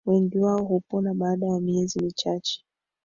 wengi wao hupona baada ya miezi michache